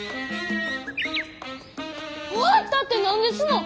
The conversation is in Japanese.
終わったって何ですの！？